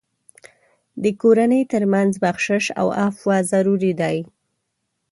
د کورنۍ تر منځ بخشش او عفو ضروري دي.